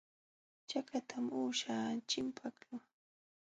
Chakatam uusha chimpaqlun.